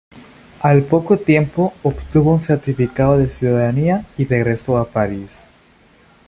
Al poco tiempo obtuvo un certificado de ciudadanía y regresó a París.